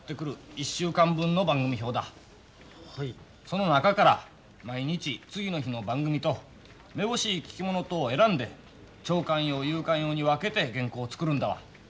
その中から毎日次の日の番組とめぼしい聞き物とを選んで朝刊用夕刊用に分けて原稿を作るんだわ。